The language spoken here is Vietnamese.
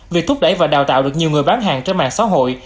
việc thúc đẩy và đào tạo được nhiều người bán hàng trên mạng xã hội